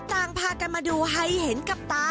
ต่างพากันมาดูให้เห็นกับตา